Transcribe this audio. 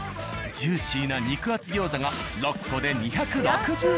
ジューシーな肉厚餃子が６個で２６０円。